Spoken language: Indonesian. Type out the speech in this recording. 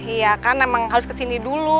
iya kan emang harus kesini dulu